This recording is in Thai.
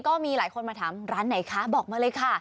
ก็มีหลายคนมาถามร้านไหนคะบอกมาเลยค่ะ